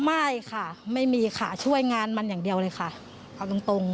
ไม่ค่ะไม่มีค่ะช่วยงานมันอย่างเดียวเลยค่ะเอาตรงตรง